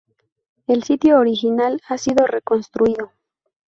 El sitio original ha sido reconstruido.